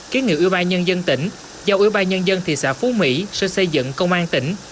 kiến nghiệm ưu ba nhân dân tỉnh giao ưu ba nhân dân thị xã phú mỹ sở xây dựng công an tỉnh